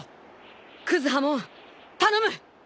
クズハモン頼む！